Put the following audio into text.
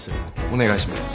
お願いします。